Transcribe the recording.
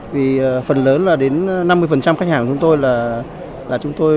vì phần lớn là đến năm mươi khách hàng của chúng tôi là chúng tôi